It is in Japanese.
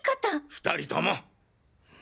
２人とも。